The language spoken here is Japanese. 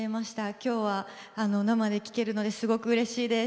今日は生で聴けるのですごくうれしいです。